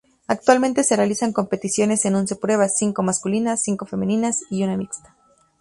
Actualmente se realizan competiciones en once pruebas, cinco masculinas, cinco femeninas y una mixta.